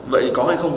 vậy có hay không